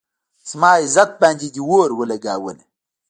زما عزت باندې دې اور ولږاونه